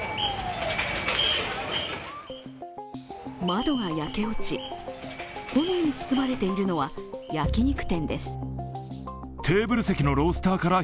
窓が焼け落ち、炎に包まれているのは焼き肉店です。